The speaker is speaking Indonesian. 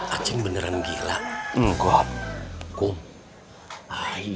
acing beneran gila